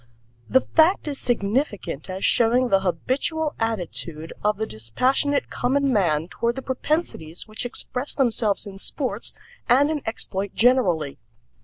The fact is significant as showing the habitual attitude of the dispassionate common man toward the propensities which express themselves in sports and in exploit generally.